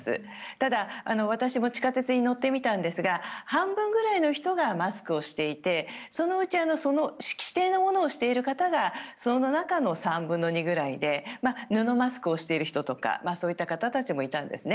ただ、私も地下鉄に乗ってみたんですが半分ぐらいの人がマスクをしていてそのうち指定のものをしている方がその中の３分の２ぐらいで布マスクをしている人とかそういった方たちもいたんですね。